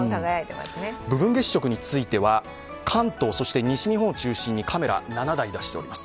部分月食については関東、そして西日本を中心にカメラ７台、出しております。